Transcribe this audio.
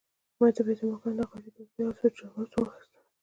ما د بیت المقدس نقاشي، تسبیح او څو جانمازونه واخیستل.